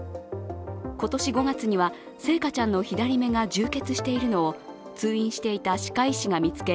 今年５月には星華ちゃんの左目が充血しているのを通院していた歯科医師が見つけ